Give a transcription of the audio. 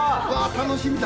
楽しみだ！